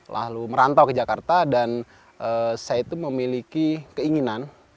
lalu merantau ke jakarta dan saya itu memiliki keinginan